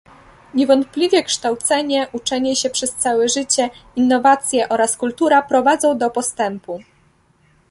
Niewątpliwie kształcenie, uczenie się przez całe życie, innowacje oraz kultura prowadzą do postępu